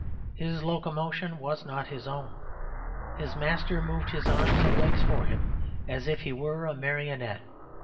His locomotion was not his own: his master moved his arms and legs for him as if he were a marionette.